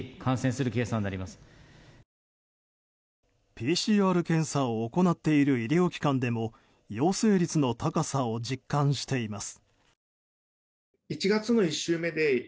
ＰＣＲ検査を行っている医療機関でも陽性率の高さを実感しています。